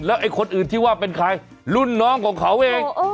ไอ้คนอื่นที่ว่าเป็นใครรุ่นน้องของเขาเอง